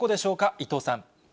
伊藤さん。